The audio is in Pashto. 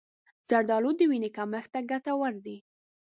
زردآلو د وینې کمښت ته ګټور دي.